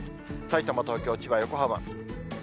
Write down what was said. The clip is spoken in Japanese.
さいたま、東京、千葉、横浜。